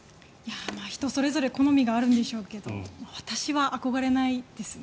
人それぞれ好みがあるんでしょうけど私は憧れないですね。